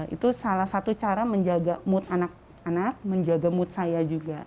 itu salah satu cara menjaga mood anak anak menjaga mood saya juga